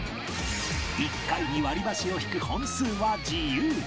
１回に割り箸を引く本数は自由